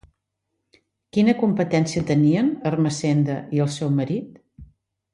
Quina competència tenien Ermessenda i el seu marit?